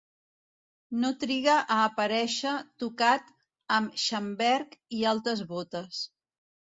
No triga a aparèixer tocat amb xamberg i altes botes.